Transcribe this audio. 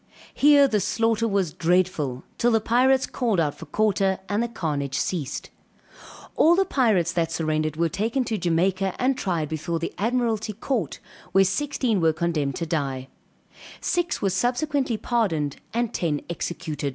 Here the slaughter was dreadful, till the pirates called out for quarter, and the carnage ceased; all the pirates that surrendered were taken to Jamaica and tried before the Admiralty court where sixteen were condemned to die, six were subsequently pardoned and ten executed.